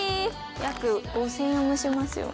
約５０００円もしますよ。